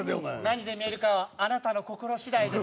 何に見えるかはあなたの心次第です。